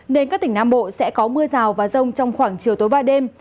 nên các tỉnh nam bộ sẽ có mưa rào và rông trong khoảng chiều tối và đêm